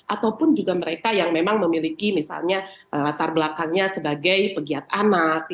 ataupun juga mereka yang memang memiliki misalnya latar belakangnya sebagai pegiat anak